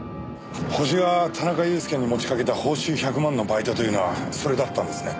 ホシが田中裕介に持ちかけた報酬１００万のバイトというのはそれだったんですね。